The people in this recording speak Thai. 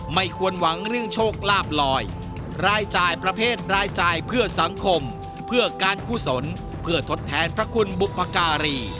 ไม่ควรหวังเรื่องโชคลาบลอยรายจ่ายประเภทรายจ่ายเพื่อสังคมเพื่อการกุศลเพื่อทดแทนพระคุณบุพการี